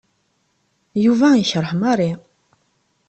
Yuba yekṛeh Mary.